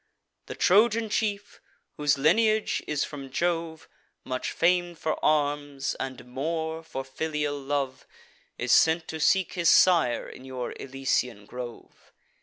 The Trojan chief, whose lineage is from Jove, Much fam'd for arms, and more for filial love, Is sent to seek his sire in your Elysian grove.